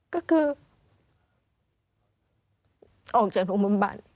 ก็คือออกจากโรงบันบัน